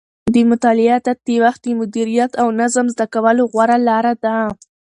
د مطالعې عادت د وخت د مدیریت او نظم زده کولو غوره لاره ده.